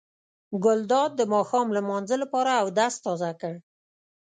ګلداد د ماښام لمانځه لپاره اودس تازه کړ.